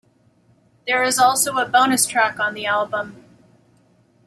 There is also a bonus track on the album.